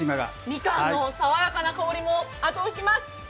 みかんの爽やかな香りも後を引きます。